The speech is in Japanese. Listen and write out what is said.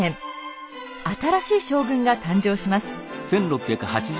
新しい将軍が誕生します。